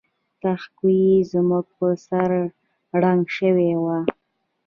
تهکوي زموږ په سر ړنګه شوې وه